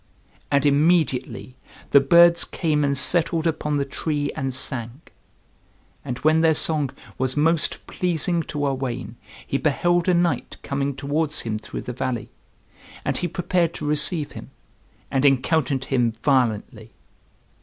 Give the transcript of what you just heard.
And immediately the birds came and settled upon the tree and sang. And when their song was most pleasing to Owain he beheld a knight coming towards him through the valley; and he prepared to receive him, and encountered him violently.